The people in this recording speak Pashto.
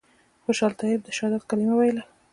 خوشحال طیب د شهادت کلمه ویله.